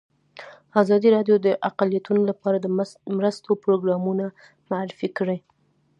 ازادي راډیو د اقلیتونه لپاره د مرستو پروګرامونه معرفي کړي.